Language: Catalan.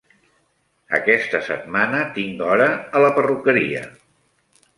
Aquesta setmana tinc hora a la perruqueria.